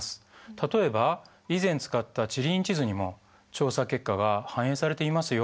例えば以前使った地理院地図にも調査結果が反映されていますよ。